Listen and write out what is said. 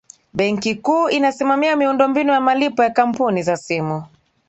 benki kuu inasimamia miundombinu ya malipo ya kampuni za simu